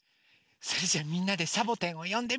それじゃあみんなでサボテンをよんでみよ。